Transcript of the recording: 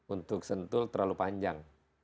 untuk sentul terlalu panjang